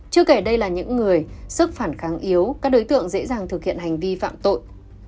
chưa kể đây là những người sức phản kháng yếu các đối tượng dễ dàng thực hiện hành vi phạm tội